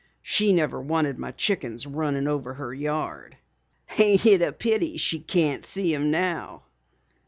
She never wanted my chickens runnin' over her yard. Ain't it a pity she can't see 'em now?"